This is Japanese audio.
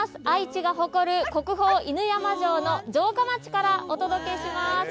愛知が誇る、国宝犬山城の城下町からお届けします。